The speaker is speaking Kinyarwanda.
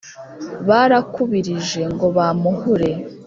barakubirije ngo bampuhure.